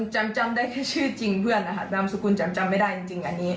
จำได้แค่ชื่อจริงเพื่อนนะคะนามสกุลจำไม่ได้จริงอันนี้